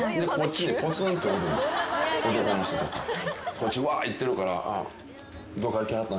こっちワーッいってるから。